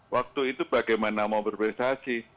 waktu itu bagaimana mau berprestasi